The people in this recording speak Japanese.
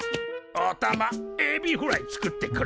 おたまエビフライ作ってくれ。